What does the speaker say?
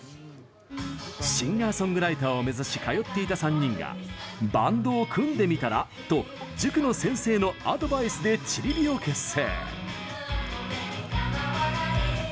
シンガーソングライターを目指し通っていた３人が「バンドを組んでみたら？」と塾の先生のアドバイスでチリビを結成。